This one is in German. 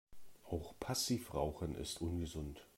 Auch Passivrauchen ist ungesund.